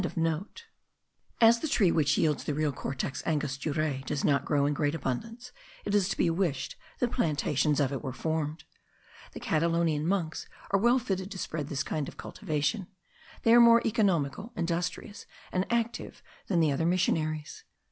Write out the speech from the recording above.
As the tree which yields the real Cortex angosturae does not grow in great abundance, it is to be wished that plantations of it were formed. The Catalonian monks are well fitted to spread this kind of cultivation; they are more economical, industrious, and active than the other missionaries.